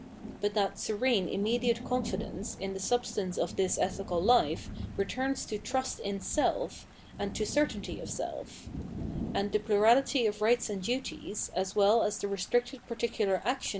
But that serene immediate confidence iu the substance of this ethical life returns to trust in self and to certainty of self ; and the plurahty of rights and duties, as well as the restricted particular action tbi!